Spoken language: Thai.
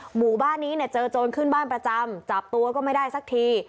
หมู่บ้านนี้เนี่ยเจอโจรขึ้นบ้านประจำจับตัวก็ไม่ได้สักที